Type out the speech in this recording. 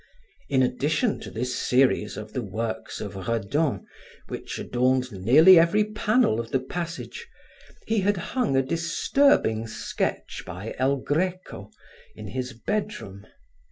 In addition to this series of the works of Redon which adorned nearly every panel of the passage, he had hung a disturbing sketch by El Greco in his bedroom.